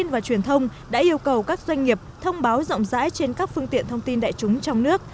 và truyền thông đã yêu cầu các doanh nghiệp thông báo rộng rãi trên các phương tiện thông tin đại chúng trong nước